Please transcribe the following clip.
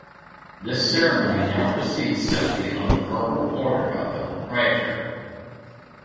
This ceremony now proceeds simply on the verbal order of the proprietor.